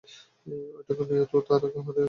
ওইটুকু মেয়ে, ও তো আর তোমাকে খাইয়া ফেলিবে না।